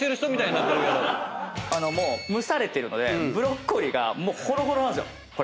もう蒸されてるのでブロッコリーがホロホロなんですよこれ。